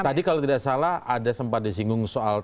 tadi kalau tidak salah ada sempat disinggung soal